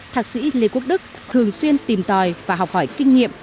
thạc sĩ lê quốc đức thường xuyên tìm tòi và học hỏi kinh nghiệm